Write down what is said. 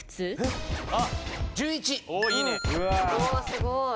すごい。